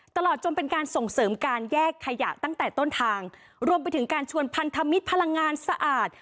ตลอดจนเป็นการส่งเสริมการแยกขยะตั้งแต่ต้นทางรวมไปถึงการชวนพันธมิตรพลังงานสะอาด